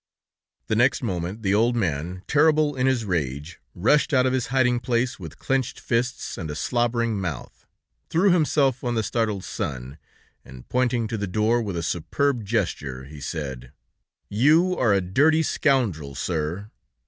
The next moment, the old man, terrible in his rage, rushed out of his hiding place with clenched fists and a slobbering mouth, threw himself on the startled son, and pointing to the door with a superb gesture, he said: "You are a dirty scoundrel, sir.